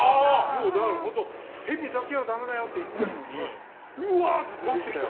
だから、ヘビだけはダメだよって言っているのにうわって出てきて。